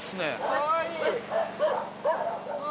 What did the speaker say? かわいい。